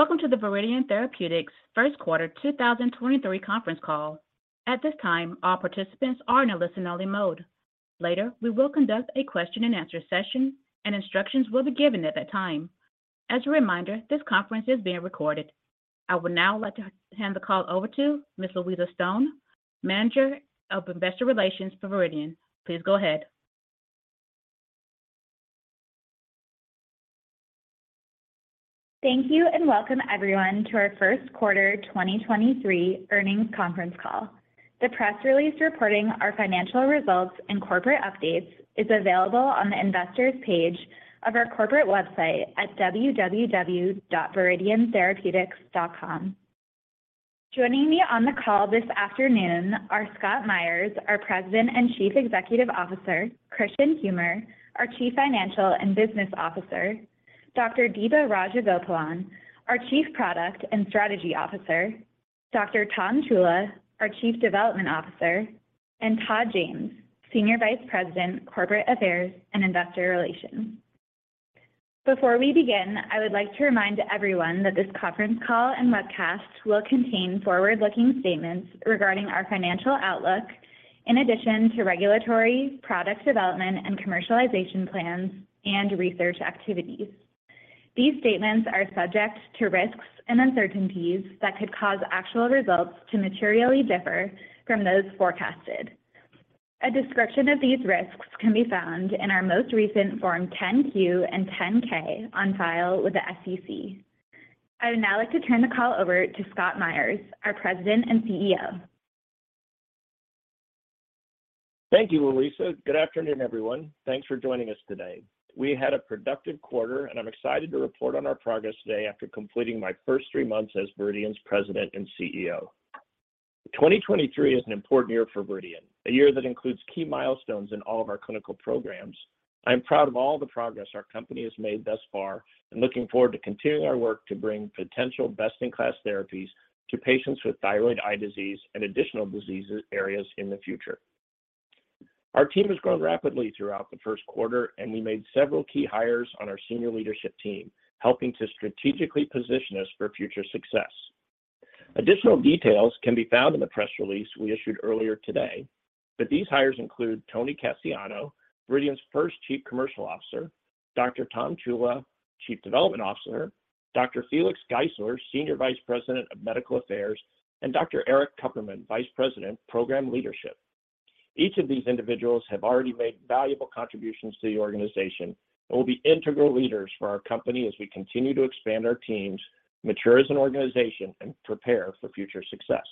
Welcome to the Viridian Therapeutics first quarter 2023 conference call. At this time, all participants are in a listen only mode. Later, we will conduct a question and answer session and instructions will be given at that time. As a reminder, this conference is being recorded. I would now like to hand the call over to Miss Louisa Stone, Manager of Investor Relations for Viridian. Please go ahead. Thank you. Welcome everyone to our first quarter 2023 earnings conference call. The press release reporting our financial results and corporate updates is available on the investors page of our corporate website at www.viridiantherapeutics.com. Joining me on the call this afternoon are Scott Myers, our President and Chief Executive Officer, Kristian Humer, our Chief Financial and Business Officer, Dr. Deepa Rajagopalan, our Chief Product and Strategy Officer, Dr. Thomas Ciulla, our Chief Development Officer, and Todd James, Senior Vice President, Corporate Affairs, and Investor Relations. Before we begin, I would like to remind everyone that this conference call and webcast will contain forward-looking statements regarding our financial outlook, in addition to regulatory product development and commercialization plans and research activities. These statements are subject to risks and uncertainties that could cause actual results to materially differ from those forecasted. A description of these risks can be found in our most recent form 10-Q and 10-K on file with the SEC. I would now like to turn the call over to Scott Myers, our President and CEO. Thank you, Louisa. Good afternoon, everyone. Thanks for joining us today. We had a productive quarter, and I'm excited to report on our progress today after completing my first three months as Viridian's President and Chief Executive Officer. 2023 is an important year for Viridian, a year that includes key milestones in all of our clinical programs. I'm proud of all the progress our company has made thus far and looking forward to continuing our work to bring potential best-in-class therapies to patients with thyroid eye disease and additional diseases areas in the future. Our team has grown rapidly throughout the first quarter, and we made several key hires on our senior leadership team, helping to strategically position us for future success. Additional details can be found in the press release we issued earlier today, but these hires include Tony Casciano, Viridian's first Chief Commercial Officer, Dr. Thomas Ciulla, Chief Development Officer, Dr. Felix Geissler, Senior Vice President of Medical Affairs, and Dr. Erik Kupperman, Vice President, Program Leadership. Each of these individuals have already made valuable contributions to the organization and will be integral leaders for our company as we continue to expand our teams, mature as an organization and prepare for future success.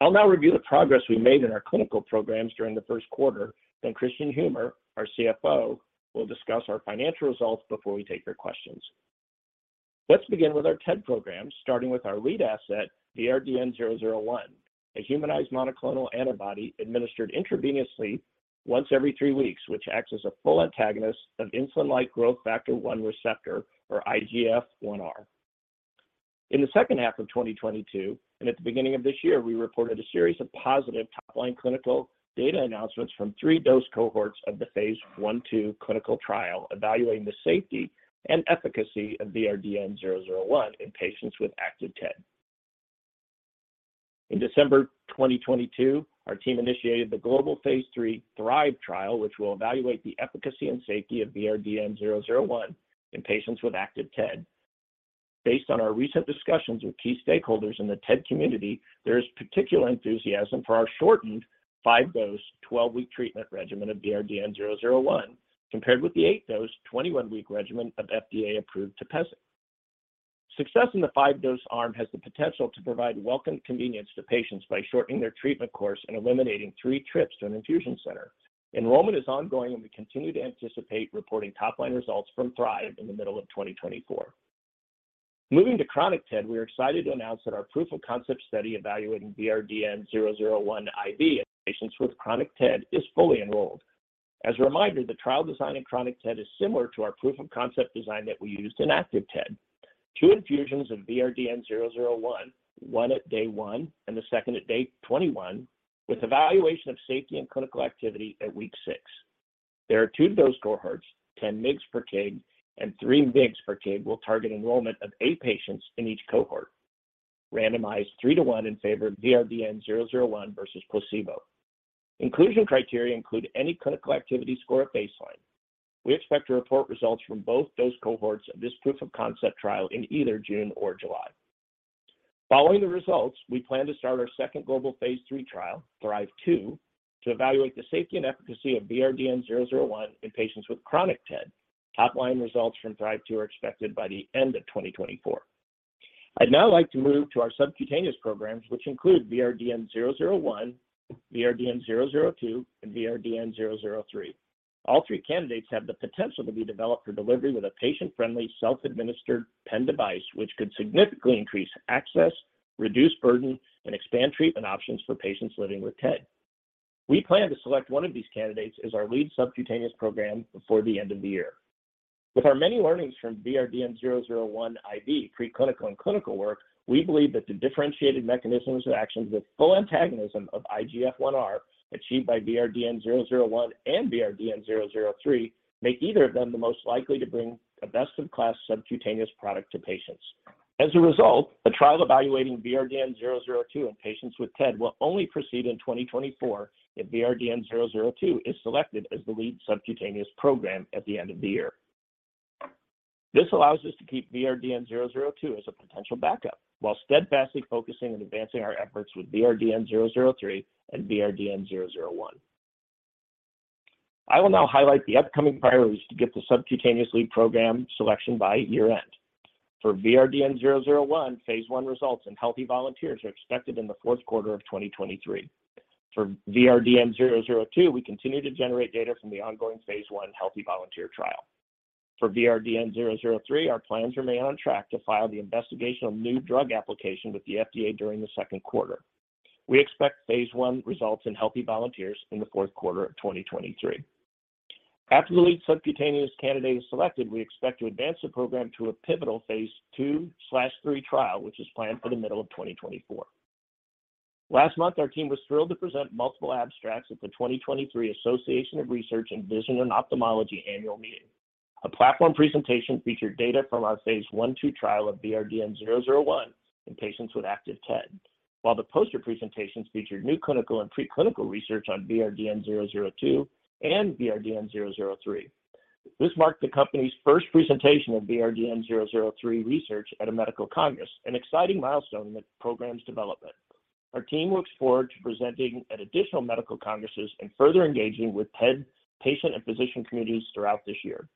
I'll now review the progress we made in our clinical programs during the first quarter, then Kristian Humer, our CFO, will discuss our financial results before we take your questions. Let's begin with our TED programs, starting with our lead asset, the VRDN-001, a humanized monoclonal antibody administered intravenously once every 3 weeks, which acts as a full antagonist of insulin-like growth factor 1 receptor, or IGF-1R. In the second half of 2022, and at the beginning of this year, we reported a series of positive top-line clinical data announcements from 3 dose cohorts of the phase 1/2 clinical trial evaluating the safety and efficacy of VRDN-001 in patients with active TED. In December 2022, our team initiated the global Phase 3 THRIVE trial, which will evaluate the efficacy and safety of VRDN-001 in patients with active TED. Based on our recent discussions with key stakeholders in the TED community, there is particular enthusiasm for our shortened 5-dose, 12-week treatment regimen of VRDN-001 compared with the 8-dose, 21-week regimen of FDA-approved TEPEZZA. Success in the 5-dose arm has the potential to provide welcome convenience to patients by shortening their treatment course and eliminating 3 trips to an infusion center. Enrollment is ongoing, and we continue to anticipate reporting top-line results from THRIVE in the middle of 2024. Moving to chronic TED, we are excited to announce that our proof-of-concept study evaluating VRDN-001 IV in patients with chronic TED is fully enrolled. As a reminder, the trial design in chronic TED is similar to our proof-of-concept design that we used in active TED. 2 infusions of VRDN-001, 1 at day 1 and the second at day 21, with evaluation of safety and clinical activity at week 6. There are 2 dose cohorts, 10 mgs/kg and 3 mgs/kg will target enrollment of 8 patients in each cohort, randomized 3 to 1 in favor of VRDN-001 versus placebo. Inclusion criteria include any clinical activity score at baseline. We expect to report results from both those cohorts of this proof-of-concept trial in either June or July. Following the results, we plan to start our second global phase 3 trial, THRIVE-2, to evaluate the safety and efficacy of VRDN-001 in patients with chronic TED. Top line results from THRIVE-2 are expected by the end of 2024. I'd now like to move to our subcutaneous programs, which include VRDN-001, VRDN-002, and VRDN-003. All three candidates have the potential to be developed for delivery with a patient-friendly, self-administered pen device, which could significantly increase access, reduce burden, and expand treatment options for patients living with TED. We plan to select one of these candidates as our lead subcutaneous program before the end of the year. With our many learnings from VRDN-001 IV preclinical and clinical work, we believe that the differentiated mechanisms and actions with full antagonism of IGF-1R achieved by VRDN-001 and VRDN-003 make either of them the most likely to bring a best-in-class subcutaneous product to patients. As a result, a trial evaluating VRDN-002 in patients with TED will only proceed in 2024 if VRDN-002 is selected as the lead subcutaneous program at the end of the year. This allows us to keep VRDN-002 as a potential backup while steadfastly focusing and advancing our efforts with VRDN-003 and VRDN-001. I will now highlight the upcoming priorities to get the subcutaneous lead program selection by year-end. For VRDN-001, phase 1 results in healthy volunteers are expected in the 4th quarter of 2023. For VRDN-002, we continue to generate data from the ongoing phase 1 healthy volunteer trial. For VRDN-003, our plans remain on track to file the investigational new drug application with the FDA during the 2nd quarter. We expect phase 1 results in healthy volunteers in the 4th quarter of 2023. After the lead subcutaneous candidate is selected, we expect to advance the program to a pivotal phase 2/3 trial, which is planned for the middle of 2024. Last month, our team was thrilled to present multiple abstracts at the 2023 Association for Research in Vision and Ophthalmology annual meeting. A platform presentation featured data from our Phase 1/2 trial of VRDN-001 in patients with active TED, while the poster presentations featured new clinical and preclinical research on VRDN-002 and VRDN-003. This marked the company's first presentation of VRDN-003 research at a medical congress, an exciting milestone in the program's development. Our team looks forward to presenting at additional medical congresses and further engaging with TED patient and physician communities throughout this year.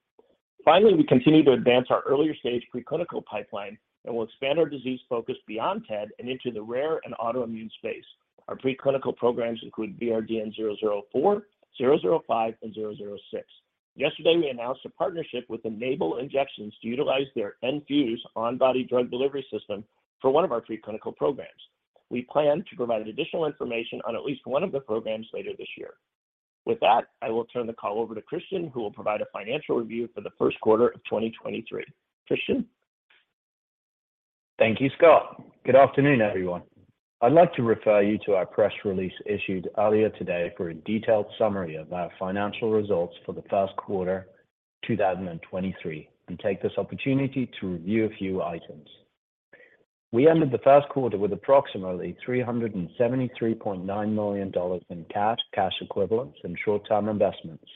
We continue to advance our earlier-stage preclinical pipeline and will expand our disease focus beyond TED and into the rare and autoimmune space. Our preclinical programs include VRDN-004, 005 and 006. Yesterday, we announced a partnership with Enable Injections to utilize their enFuse on-body drug delivery system for one of our preclinical programs. We plan to provide additional information on at least one of the programs later this year. With that, I will turn the call over to Kristian, who will provide a financial review for the first quarter of 2023. Kristian. Thank you, Scott. Good afternoon, everyone. I'd like to refer you to our press release issued earlier today for a detailed summary of our financial results for the first quarter 2023 and take this opportunity to review a few items. We ended the first quarter with approximately $373.9 million in cash equivalents and short-term investments,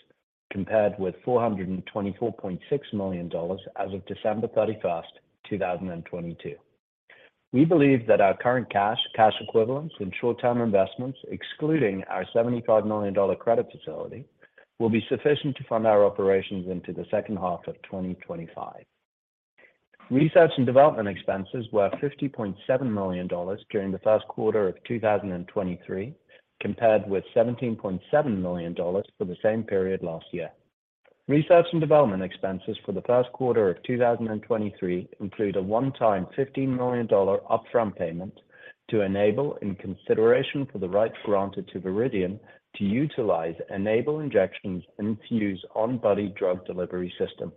compared with $424.6 million as of December 31, 2022. We believe that our current cash equivalents and short-term investments, excluding our $75 million credit facility, will be sufficient to fund our operations into the second half of 2025. Research and development expenses were $50.7 million during the first quarter of 2023, compared with $17.7 million for the same period last year. Research and development expenses for the first quarter of 2023 include a one-time $15 million upfront payment to Enable in consideration for the rights granted to Viridian to utilize Enable Injections' enFuse on-body drug delivery system.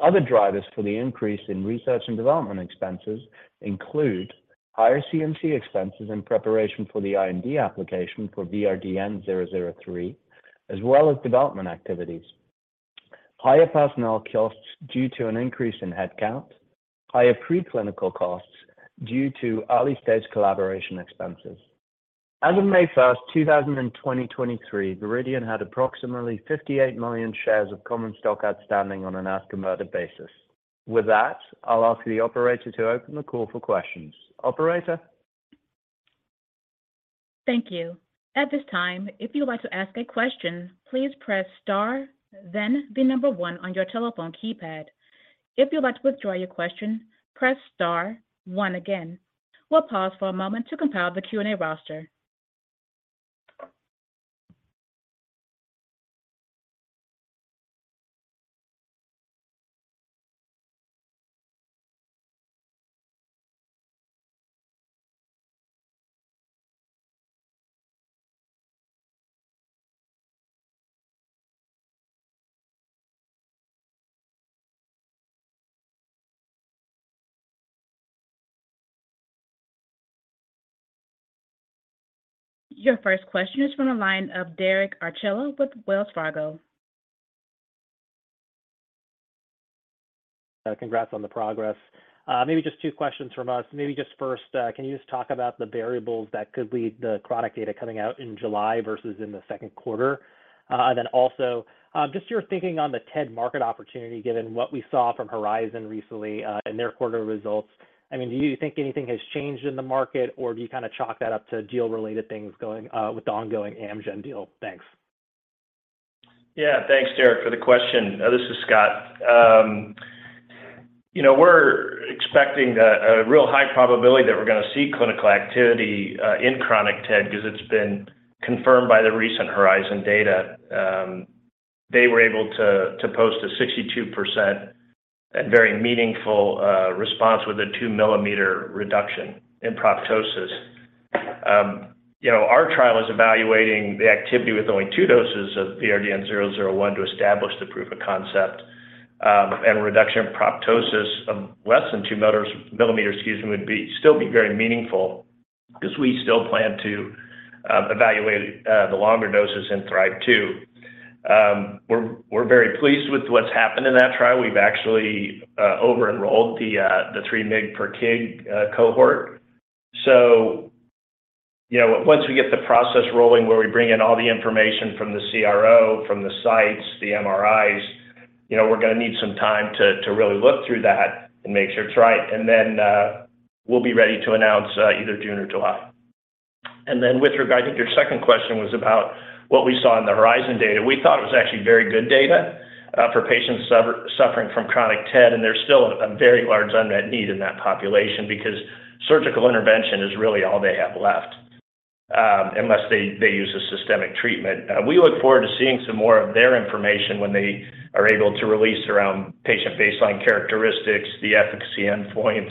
Other drivers for the increase in research and development expenses include higher CMC expenses in preparation for the IND application for VRDN-003, as well as development activities. Higher personnel costs due to an increase in headcount. Higher preclinical costs due to early-stage collaboration expenses. As of May first, 2023, Viridian had approximately 58 million shares of common stock outstanding on an as converted basis. With that, I'll ask the operator to open the call for questions. Operator? Thank you. At this time, if you'd like to ask a question, please press star, then 1 on your telephone keypad. If you'd like to withdraw your question, press star 1 again. We'll pause for a moment to compile the Q&A roster. Your first question is from the line of Derek Archila with Wells Fargo. Congrats on the progress. Maybe just two questions from us. Maybe just first, can you just talk about the variables that could lead the chronic data coming out in July versus in the second quarter? Just your thinking on the TED market opportunity, given what we saw from Horizon recently, in their quarter results. I mean, do you think anything has changed in the market, or do you kinda chalk that up to deal-related things going with the ongoing Amgen deal? Thanks. Yeah. Thanks, Derek, for the question. This is Scott. you know, we're expecting a real high probability that we're going to see clinical activity in chronic TED 'cause it's been confirmed by the recent Horizon data. They were able to post a 62% and very meaningful response with a 2-millimeter reduction in proptosis. you know, our trial is evaluating the activity with only 2 doses of VRDN-001 to establish the proof of concept, and reduction of proptosis of less than 2 millimeters, excuse me, would be, still be very meaningful because we still plan to evaluate the longer doses in THRIVE-2. We're very pleased with what's happened in that trial. We've actually over-enrolled the 3 mg per kg cohort. You know, once we get the process rolling where we bring in all the information from the CRO, from the sites, the MRIs, you know, we're gonna need some time to really look through that and make sure it's right. We'll be ready to announce either June or July. With regard, I think your second question was about what we saw in the Horizon data. We thought it was actually very good data for patients suffering from chronic TED, there's still a very large unmet need in that population because surgical intervention is really all they have left unless they use a systemic treatment. We look forward to seeing some more of their information when they are able to release around patient baseline characteristics, the efficacy endpoints,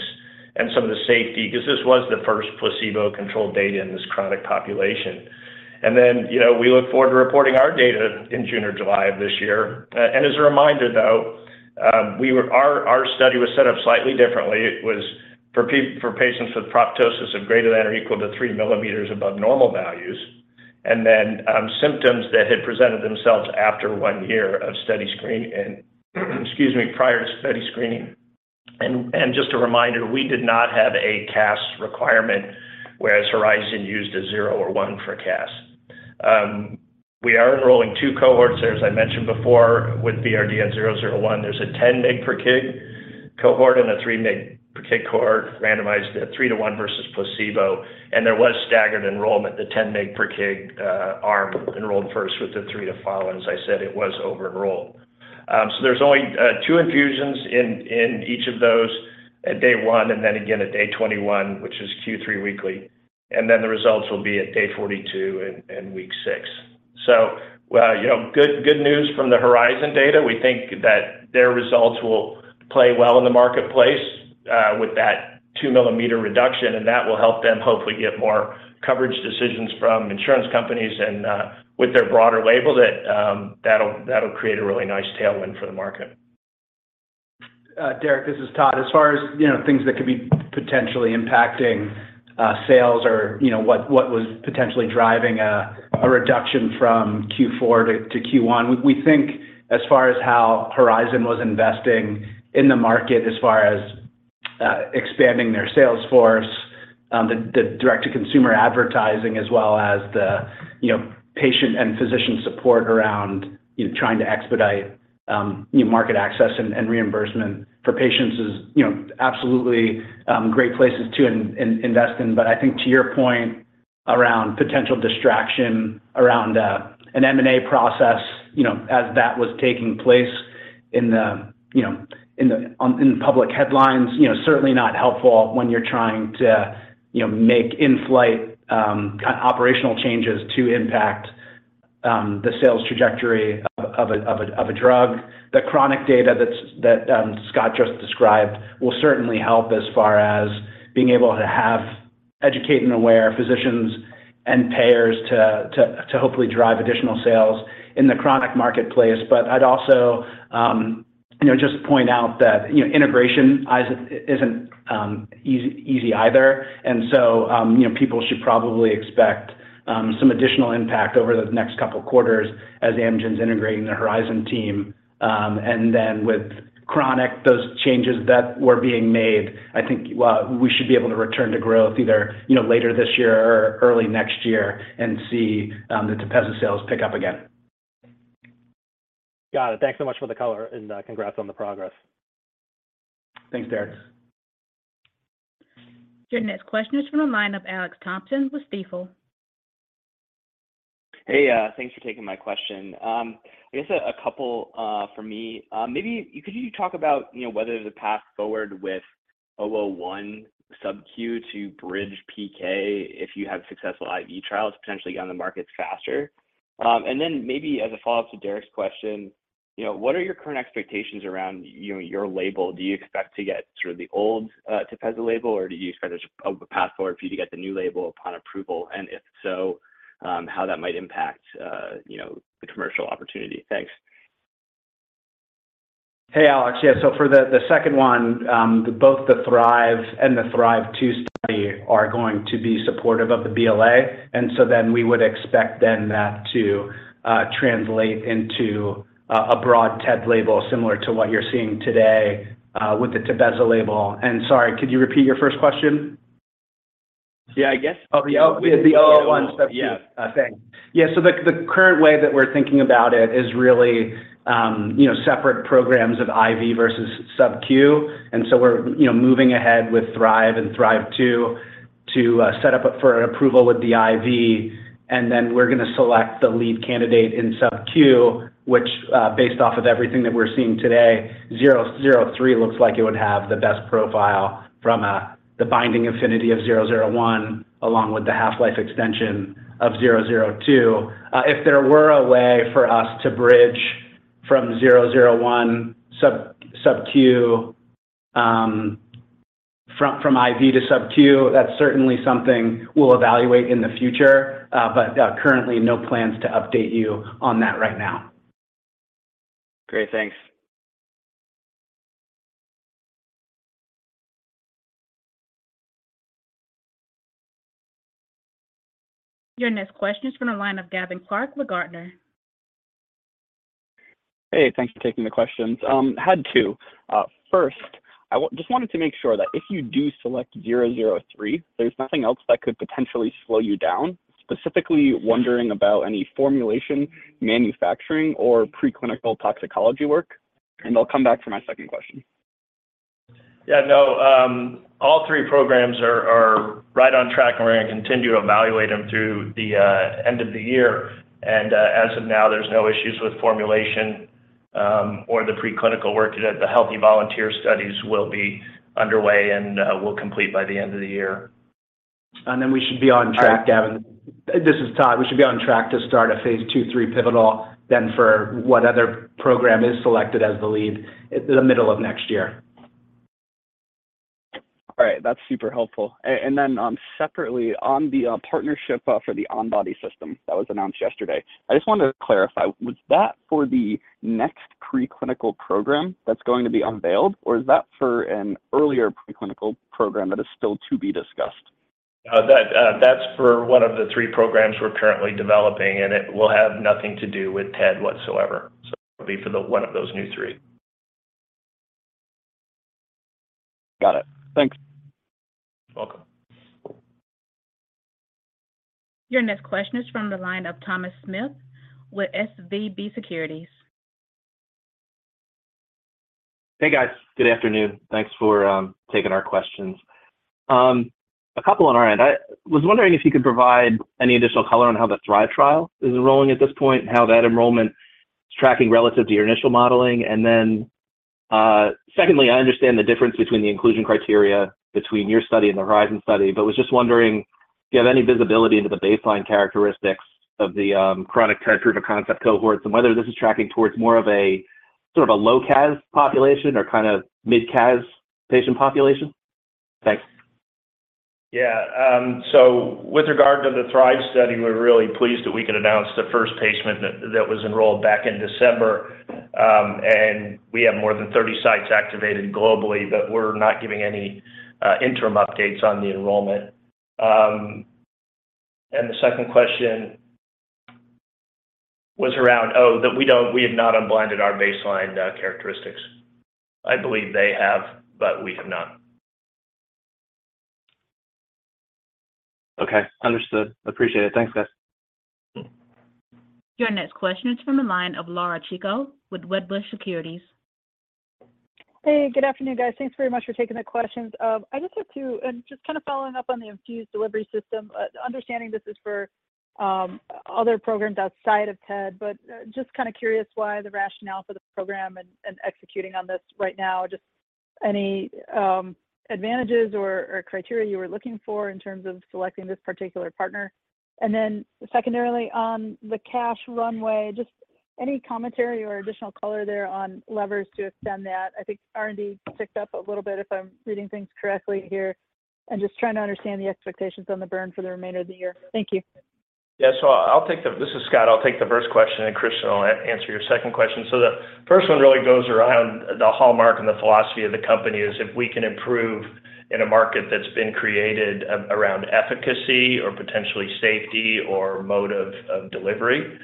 and some of the safety, because this was the first placebo-controlled data in this chronic population. You know, we look forward to reporting our data in June or July of this year. As a reminder though, our study was set up slightly differently. It was for patients with proptosis of greater than or equal to 3 millimeters above normal values, and then, symptoms that had presented themselves after 1 year of study screening, and, excuse me, prior to study screening. And just a reminder, we did not have a CAS requirement, whereas Horizon used a 0 or 1 for CAS. We are enrolling two cohorts there, as I mentioned before, with VRDN-001. There's a 10 mg per kg cohort and a three mg per kg cohort randomized at 3 to 1 versus placebo. There was staggered enrollment. The 10 mg per kg arm enrolled first with the 3 to follow. As I said, it was over-enrolled. So there's only two infusions in each of those at day 1 and then again at day 21, which is Q3 weekly. Then the results will be at day 42 and week 6. You know, good news from the Horizon data. We think that their results will play well in the marketplace, with that 2 millimeter reduction. That will help them hopefully get more coverage decisions from insurance companies and with their broader label that'll create a really nice tailwind for the market. Derek, this is Todd. As far as, you know, things that could be potentially impacting sales or, you know, what was potentially driving a reduction from Q4 to Q1, we think as far as how Horizon was investing in the market as far as expanding their sales force, the direct-to-consumer advertising as well as the, you know, patient and physician support around, you know, trying to expedite new market access and reimbursement for patients is, you know, absolutely great places to invest in. I think to your point around potential distraction around an M&A process, you know, as that was taking place in the, you know, in public headlines. You know, certainly not helpful when you're trying to, you know, make in-flight operational changes to impact the sales trajectory of a drug. The chronic data that Scott just described will certainly help as far as being able to have educate and aware physicians and payers to hopefully drive additional sales in the chronic marketplace. I'd also, you know, just point out that, you know, integration isn't easy either. You know, people should probably expect some additional impact over the next couple quarters as Amgen's integrating the Horizon team. With chronic, those changes that were being made, I think, we should be able to return to growth either, you know, later this year or early next year and see the Tepezza sales pick up again. Got it. Thanks so much for the color and congrats on the progress. Thanks, Derek. Your next question is from a line of Alex Thompson with Stifel. Hey, thanks for taking my question. I guess a couple for me. Maybe could you talk about, you know, whether the path forward with VRDN-001 sub Q to bridge PK if you have successful IV trials potentially on the markets faster? Then maybe as a follow-up to Derek Archila's question, you know, what are your current expectations around, you know, your label? Do you expect to get sort of the old TEPEZZA label, or do you expect there's a path forward for you to get the new label upon approval? If so, how that might impact, you know, the commercial opportunity? Thanks. Hey, Alex. Yeah, so for the second one, both the THRIVE and the THRIVE-2 study are going to be supportive of the BLA. We would expect then that to translate into a broad TED label similar to what you're seeing today with the TEPEZZA label. Sorry, could you repeat your first question? Yeah. Oh, the 001 sub q. Yeah. Thanks. Yeah. The, the current way that we're thinking about it is really, you know, separate programs of IV versus sub q. We're, you know, moving ahead with THRIVE and THRIVE-2 to set up for approval with the IV. Then we're gonna select the lead candidate in sub q, which, based off of everything that we're seeing today, VRDN-003 looks like it would have the best profile from the binding affinity of VRDN-001 along with the half-life extension of VRDN-002. If there were a way for us to bridge from VRDN-001 sub q, from IV to sub q, that's certainly something we'll evaluate in the future. Currently no plans to update you on that right now. Great. Thanks. Your next question is from the line of Gavin Clark with Gartner. Hey, thanks for taking the questions. Had two. First, I just wanted to make sure that if you do select 003, there's nothing else that could potentially slow you down. Specifically wondering about any formulation, manufacturing, or preclinical toxicology work. I'll come back for my second question. Yeah, no. All three programs are right on track, and we're gonna continue to evaluate them through the end of the year. As of now, there's no issues with formulation, or the preclinical work that the healthy volunteer studies will be underway and will complete by the end of the year. We should be on track, Gavin. This is Todd. We should be on track to start a phase 2/3 pivotal then for what other program is selected as the lead in the middle of next year. All right. That's super helpful. Then, separately, on the partnership for the on-body system that was announced yesterday. I just wanted to clarify, was that for the next preclinical program that's going to be unveiled, or is that for an earlier preclinical program that is still to be discussed? That's for one of the three programs we're currently developing, and it will have nothing to do with TED whatsoever. It'll be for one of those new three. Got it. Thanks. You're welcome. Your next question is from the line of Thomas Smith with SVB Securities. Hey, guys. Good afternoon. Thanks for taking our questions. A couple on our end. I was wondering if you could provide any additional color on how the THRIVE trial is enrolling at this point and how that enrollment is tracking relative to your initial modeling. Secondly, I understand the difference between the inclusion criteria between your study and the Horizon study, was just wondering if you have any visibility into the baseline characteristics of the chronic proof-of-concept cohorts and whether this is tracking towards more of a, sort of a low CAS population or kind of mid CAS patient population. Thanks. With regard to the THRIVE study, we're really pleased that we can announce the first patient that was enrolled back in December. We have more than 30 sites activated globally, but we're not giving any interim updates on the enrollment. The second question was around. We have not unblinded our baseline characteristics. I believe they have, but we have not. Okay. Understood. Appreciate it. Thanks, guys. Your next question is from the line of Laura Chico with Wedbush Securities. Hey, good afternoon, guys. Thanks very much for taking the questions. I just have two. Just kinda following up on the enFuse delivery system, understanding this is for other programs outside of TED, but just kinda curious why the rationale for the program and executing on this right now. Just any advantages or criteria you were looking for in terms of selecting this particular partner? Secondarily, on the cash runway, just any commentary or additional color there on levers to extend that. I think R&D ticked up a little bit, if I'm reading things correctly here. I'm just trying to understand the expectations on the burn for the remainder of the year. Thank you. Yeah. I'll take the... This is Scott. I'll take the first question, and Kristian will answer your second question. The first one really goes around the hallmark and the philosophy of the company is if we can improve in a market that's been created around efficacy or potentially safety or mode of delivery,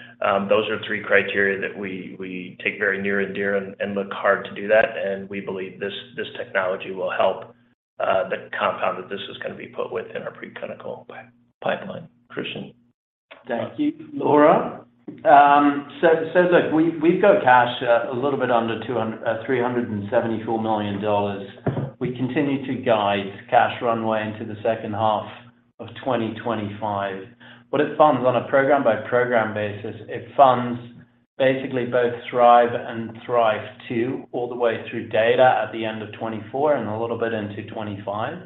those are three criteria that we take very near and dear and look hard to do that. We believe this technology will help the compound that this is gonna be put with in our preclinical pipeline. Kristian. Thank you, Laura. Look, we've got cash a little bit under $374 million. We continue to guide cash runway into the second half of 2025. What it funds on a program-by-program basis, it funds basically both THRIVE and THRIVE-2 all the way through data at the end of 2024 and a little bit into 2025.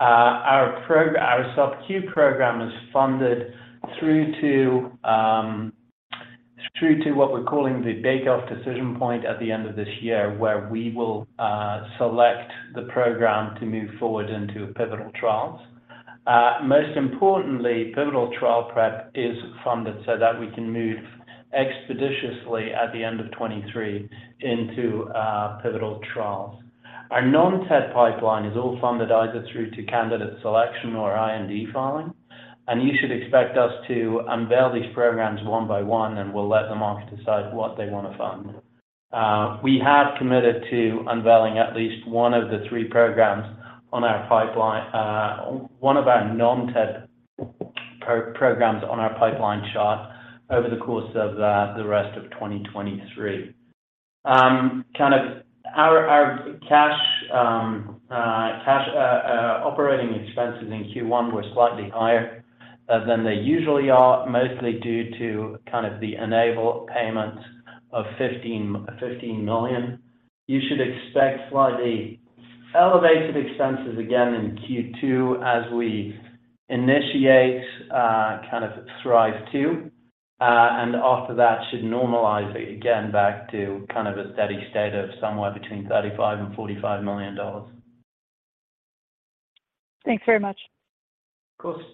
Our SoftQ program is funded through to what we're calling the bake-off decision point at the end of this year, where we will select the program to move forward into pivotal trials. Most importantly, pivotal trial prep is funded so that we can move expeditiously at the end of 2023 into pivotal trials. Our non-TED pipeline is all funded either through to candidate selection or IND filing. You should expect us to unveil these programs one by one, and we'll let the market decide what they want to fund. We have committed to unveiling at least one of the three programs on our pipeline. One of our non-TED programs on our pipeline chart over the course of the rest of 2023. kind of our cash operating expenses in Q1 were slightly higher than they usually are, mostly due to kind of the Enable payment of $15 million. You should expect slightly elevated expenses again in Q2 as we initiate, kind of THRIVE-2. After that should normalize it again back to kind of a steady state of somewhere between $35 million-$45 million. Thanks very much. Of course.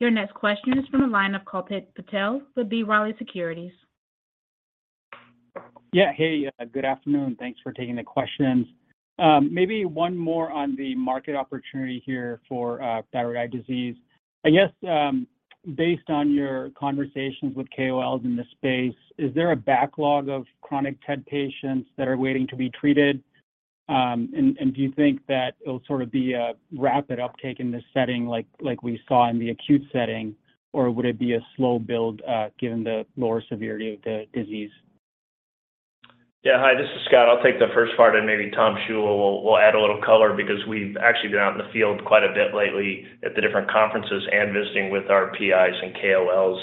Your next question is from the line of Kalpit Patel with B. Riley Securities. Yeah. Hey, good afternoon. Thanks for taking the questions. Maybe one more on the market opportunity here for thyroid eye disease. I guess, based on your conversations with KOLs in this space, is there a backlog of chronic TED patients that are waiting to be treated? Do you think that it'll sort of be a rapid uptake in this setting like we saw in the acute setting, or would it be a slow build given the lower severity of the disease? Hi, this is Scott. I'll take the first part, and maybe Tom Ciulla will add a little color because we've actually been out in the field quite a bit lately at the different conferences and visiting with our PIs and KOLs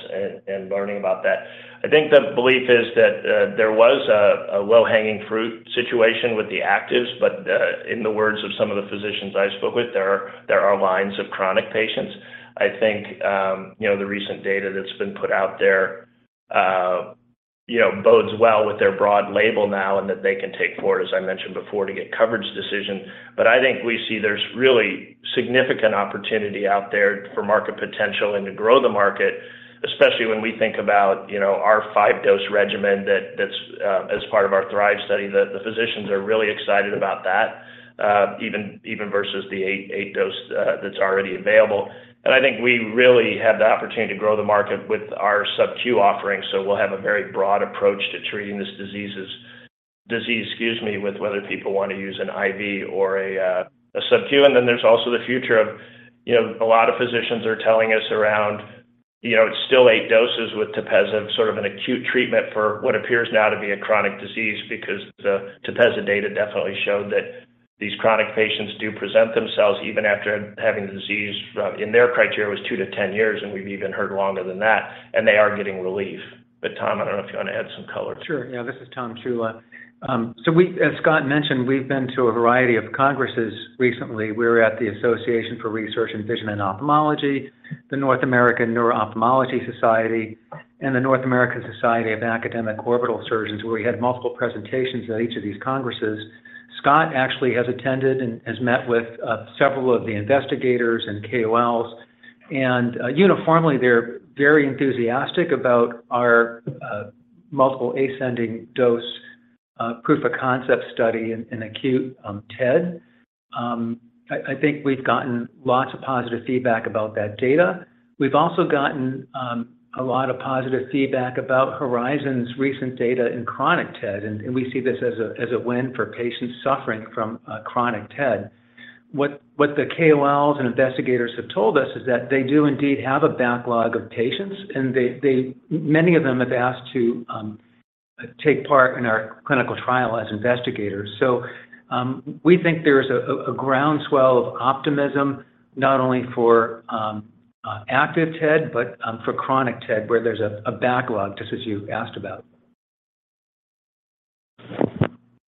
and learning about that. I think the belief is that there was a low-hanging fruit situation with the actives. In the words of some of the physicians I spoke with, there are lines of chronic patients. I think, you know, the recent data that's been put out there, you know, bodes well with their broad label now and that they can take forward, as I mentioned before, to get coverage decision. I think we see there's really significant opportunity out there for market potential and to grow the market, especially when we think about, you know, our 5-dose regimen that's as part of our THRIVE study that the physicians are really excited about that, even versus the 8-dose that's already available. I think we really have the opportunity to grow the market with our subQ offerings, so we'll have a very broad approach to treating this diseases. Disease, excuse me, with whether people wanna use an IV or a subQ. Then there's also the future of, you know, a lot of physicians are telling us around, you know, it's still 8 doses with TEPEZZA, sort of an acute treatment for what appears now to be a chronic disease because the TEPEZZA data definitely showed that these chronic patients do present themselves even after having the disease from. In their criteria, it was 2-10 years, and we've even heard longer than that, and they are getting relief. Tom, I don't know if you want to add some color. Sure. Yeah, this is Tom Ciulla. As Scott mentioned, we've been to a variety of congresses recently. We were at the Association for Research in Vision and Ophthalmology, the North American Neuro-Ophthalmology Society, and the North American Society of Academic Orbital Surgeons, where we had multiple presentations at each of these congresses. Scott actually has attended and has met with several of the investigators and KOLs. Uniformly, they're very enthusiastic about our multiple ascending dose proof of concept study in acute TED. I think we've gotten lots of positive feedback about that data. We've also gotten a lot of positive feedback about Horizon's recent data in chronic TED, and we see this as a win for patients suffering from chronic TED. What the KOLs and investigators have told us is that they do indeed have a backlog of patients, and many of them have asked to take part in our clinical trial as investigators. We think there's a groundswell of optimism not only for active TED, but for chronic TED, where there's a backlog, just as you asked about.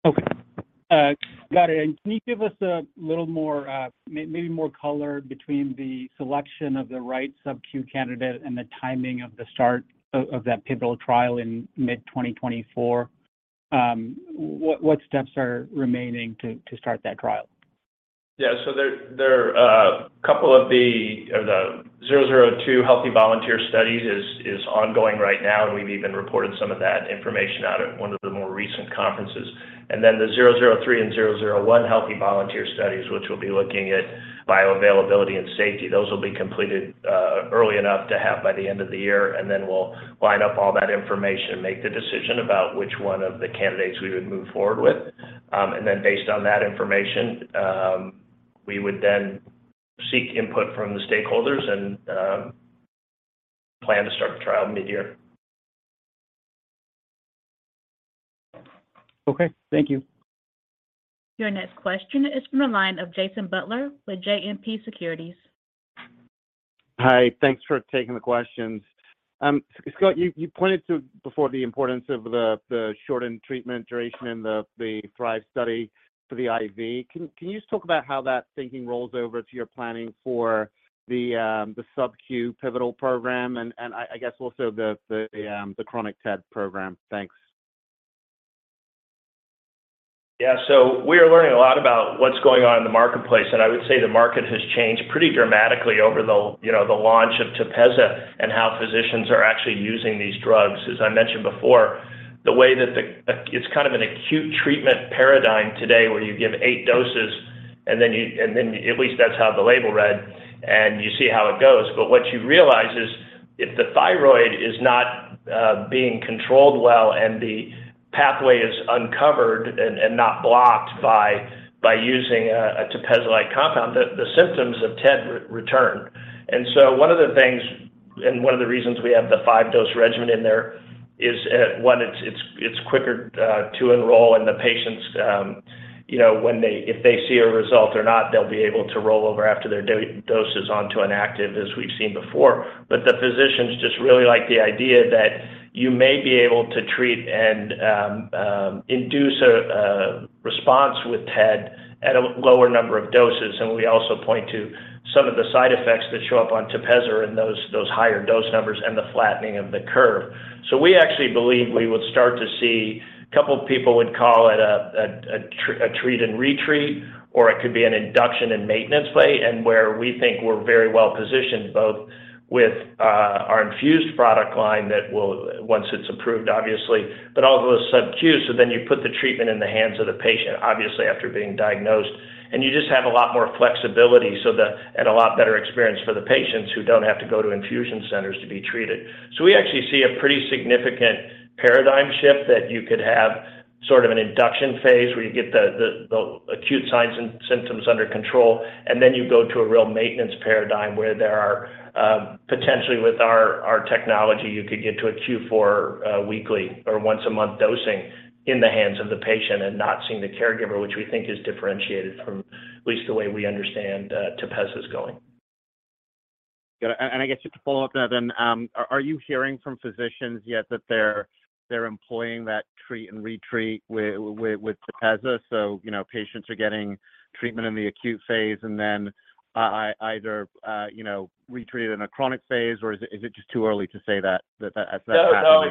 Okay. got it. Can you give us a little more maybe more color between the selection of the right subQ candidate and the timing of the start of that pivotal trial in mid-2024? What steps are remaining to start that trial? Yeah. there are a couple of the... The zero zero two healthy volunteer studies is ongoing right now, and we've even reported some of that information out at one of the more recent conferences. The zero zero three and zero zero one healthy volunteer studies, which will be looking at bioavailability and safety. Those will be completed early enough to have by the end of the year. We'll line up all that information and make the decision about which one of the candidates we would move forward with. Based on that information, we would then seek input from the stakeholders and plan to start the trial midyear. Okay. Thank you. Your next question is from the line of Jason Butler with JMP Securities. Hi. Thanks for taking the questions. Scott, you pointed to before the importance of the shortened treatment duration in the THRIVE study for the IV. Can you just talk about how that thinking rolls over to your planning for the subQ pivotal program and I guess also the chronic TED program? Thanks. We are learning a lot about what's going on in the marketplace. I would say the market has changed pretty dramatically over the, you know, the launch of TEPEZZA and how physicians are actually using these drugs. As I mentioned before, the way that it's kind of an acute treatment paradigm today where you give 8 doses and then at least that's how the label read, and you see how it goes. What you realize is if the thyroid is not being controlled well and the pathway is uncovered and not blocked by using a TEPEZZA-like compound, the symptoms of TED re-return. One of the things and one of the reasons we have the five-dose regimen in there is one, it's quicker to enroll. The patients, you know, if they see a result or not, they'll be able to roll over after their doses onto an active as we've seen before. The physicians just really like the idea that you may be able to treat and induce a response with TED at a lower number of doses. We also point to some of the side effects that show up on Tepezza in those higher dose numbers and the flattening of the curve. We actually believe we would start to see. A couple of people would call it a treat and retreat, or it could be an induction and maintenance play. Where we think we're very well positioned both with our infused product line that will, once it's approved, obviously, but all of those subQ's, so then you put the treatment in the hands of the patient, obviously after being diagnosed, and you just have a lot more flexibility and a lot better experience for the patients who don't have to go to infusion centers to be treated. We actually see a pretty significant paradigm shift that you could have sort of an induction phase where you get the acute signs and symptoms under control, and then you go to a real maintenance paradigm where there are, potentially with our technology, you could get to a Q4 weekly or once a month dosing in the hands of the patient and not seeing the caregiver, which we think is differentiated from at least the way we understand Tepezza's going. Got it. I guess just to follow up that then, are you hearing from physicians yet that they're employing that treat and retreat with Tepezza? You know, patients are getting treatment in the acute phase and then either, you know, retreated in a chronic phase, or is it just too early to say that that's happening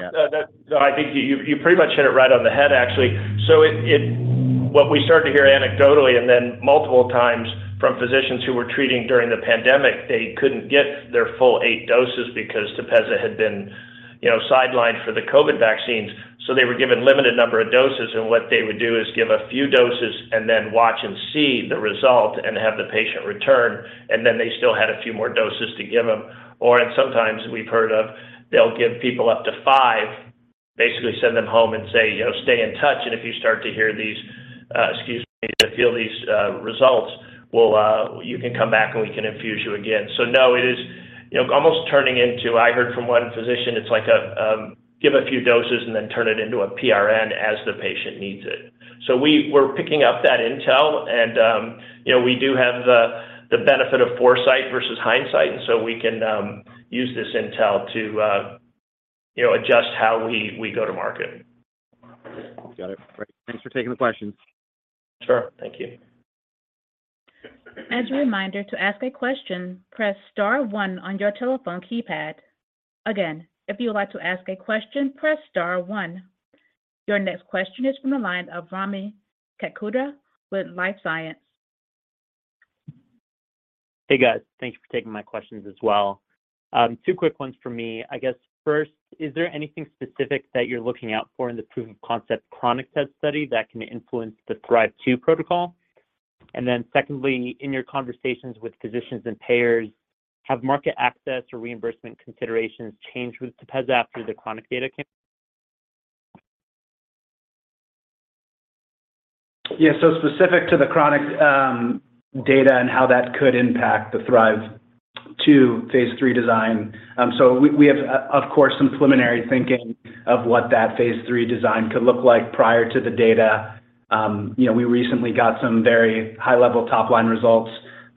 yet? No, that... No, I think you pretty much hit it right on the head, actually. What we started to hear anecdotally and then multiple times from physicians who were treating during the pandemic, they couldn't get their full 8 doses because TEPEZZA had been, you know, sidelined for the COVID vaccines. They were given limited number of doses, and what they would do is give a few doses and then watch and see the result and have the patient return, and then they still had a few more doses to give them. Sometimes we've heard of they'll give people up to five, basically send them home and say, you know, "Stay in touch, and if you start to hear these, excuse me, to feel these results, we'll, you can come back and we can infuse you again." No, it is, you know, almost turning into... I heard from one physician, it's like a, give a few doses and then turn it into a PRN as the patient needs it. We're picking up that intel and, you know, we do have the benefit of foresight versus hindsight, and so we can use this intel to, you know, adjust how we go to market. Got it. Great. Thanks for taking the questions. Sure. Thank you. As a reminder, to ask a question, press star one on your telephone keypad. If you would like to ask a question, press star one. Your next question is from the line of Rami Katkhuda with LifeSci Capital. Hey, guys. Thank you for taking my questions as well. Two quick ones for me. I guess first, is there anything specific that you're looking out for in the proof of concept chronic TED study that can influence the THRIVE-2 protocol? Secondly, in your conversations with physicians and payers, have market access or reimbursement considerations changed with TEPEZZA after the chronic data came? Yeah. Specific to the chronic data and how that could impact the THRIVE-2 phase 3 design. We have, of course, some preliminary thinking of what that phase 3 design could look like prior to the data. You know, we recently got some very high-level top-line results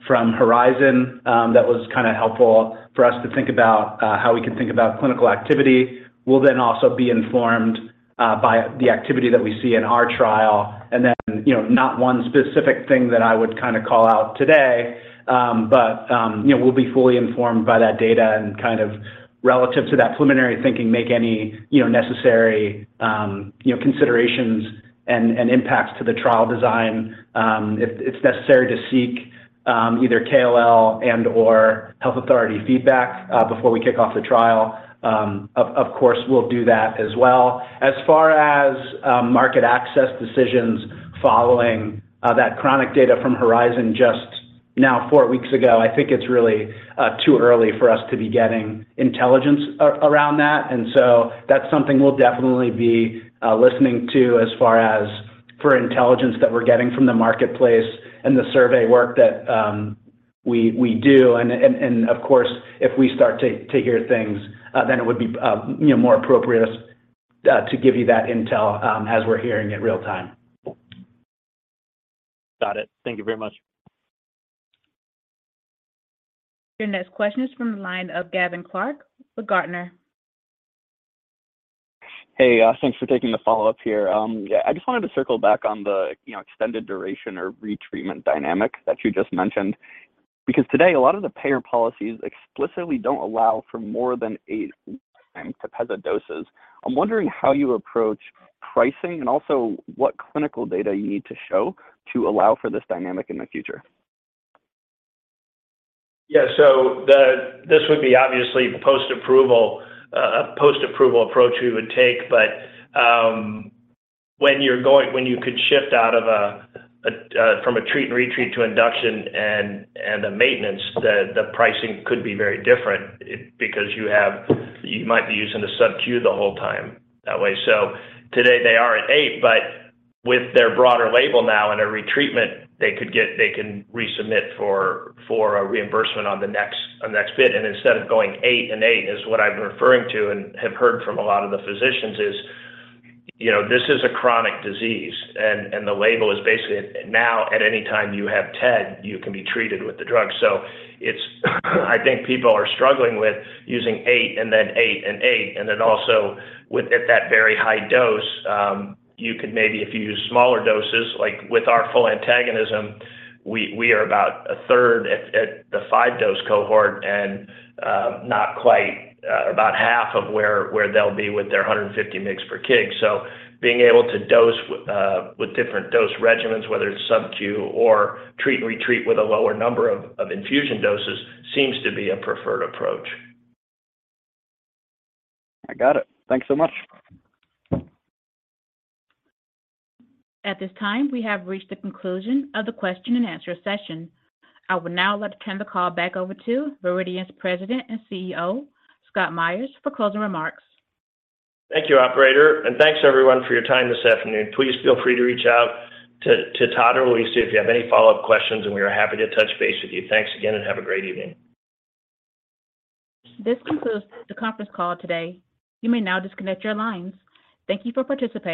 from Horizon that was kind of helpful for us to think about how we can think about clinical activity, will then also be informed by the activity that we see in our trial. You know, not one specific thing that I would kind of call out today, but, you know, we'll be fully informed by that data and kind of relative to that preliminary thinking, make any, you know, necessary, you know, considerations and impacts to the trial design. If it's necessary to seek either KOL and/or health authority feedback before we kick off the trial, of course, we'll do that as well. As far as market access decisions following that chronic data from Horizon just now four weeks ago, I think it's really too early for us to be getting intelligence around that. That's something we'll definitely be listening to as far as for intelligence that we're getting from the marketplace and the survey work that we do. Of course, if we start to hear things, then it would be, you know, more appropriate to give you that intel as we're hearing it real-time. Got it. Thank you very much. Your next question is from the line of Gavin Clark with Gartner. Hey, thanks for taking the follow-up here. Yeah, I just wanted to circle back on the, you know, extended duration or retreatment dynamic that you just mentioned, because today a lot of the payer policies explicitly don't allow for more than 8 times TEPEZZA doses. I'm wondering how you approach pricing and also what clinical data you need to show to allow for this dynamic in the future. Yeah. This would be obviously post-approval, post-approval approach we would take. When you could shift out of a from a treat and retreat to induction and a maintenance, the pricing could be very different because you might be using the subQ the whole time that way. Today they are at 8, but with their broader label now and a retreatment, they can resubmit for a reimbursement on the next bid. Instead of going 8 and 8, is what I've been referring to and have heard from a lot of the physicians is, you know, this is a chronic disease, and the label is basically now at any time you have TED, you can be treated with the drug. It's, I think people are struggling with using 8 and then 8 and 8. Also with at that very high dose, you could maybe if you use smaller doses, like with our full antagonism, we are about a third at the 5-dose cohort and not quite about half of where they'll be with their 150 mgs per kg. Being able to dose with different dose regimens, whether it's subQ or treat and retreat with a lower number of infusion doses, seems to be a preferred approach. I got it. Thanks so much. At this time, we have reached the conclusion of the question and answer session. I will now let hand the call back over to Viridian's President and CEO, Scott Myers, for closing remarks. Thank you, operator, and thanks everyone for your time this afternoon. Please feel free to reach out to Todd or Lisa if you have any follow-up questions, and we are happy to touch base with you. Thanks again, and have a great evening. This concludes the conference call today. You may now disconnect your lines. Thank you for participating.